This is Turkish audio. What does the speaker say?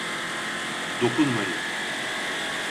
Dokunmayın!